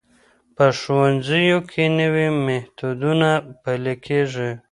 په ښوونځیو کې نوي میتودونه پلي کېږي.